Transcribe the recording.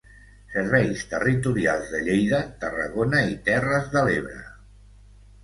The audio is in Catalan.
Serveis territorials de Lleida, Tarragona i Terres de l'Ebre.